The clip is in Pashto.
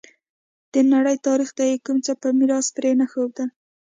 د نړۍ تاریخ ته یې کوم څه په میراث پرې نه ښودل.